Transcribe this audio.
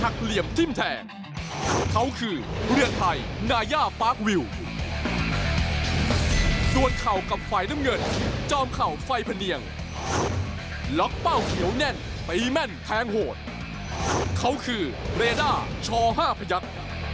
กลับไปพะเนียงหลักเป้าเขียวแน่นไปแม่นแค้งโหดเขาคือเลด้าช่อ๕พยักษ์